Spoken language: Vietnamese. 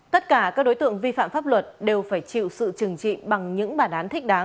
tất cả các đối tượng vi phạm pháp luật đều phải chịu sự trừng trị bằng những bản án thích đáng